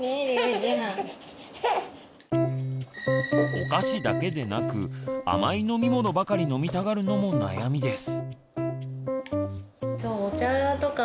お菓子だけでなく甘い飲み物ばかり飲みたがるのも悩みです。